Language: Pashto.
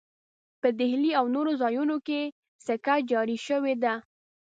په ډهلي او نورو ځایونو کې سکه جاري شوې ده.